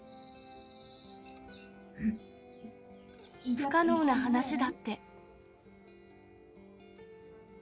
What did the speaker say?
不可能な話だって。